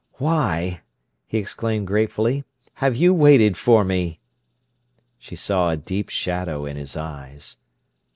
"Why," he exclaimed gratefully, "have you waited for me!" She saw a deep shadow in his eyes.